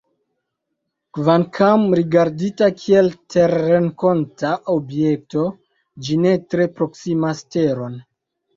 Kvankam rigardita kiel terrenkonta objekto, ĝi ne tre proksimas Teron.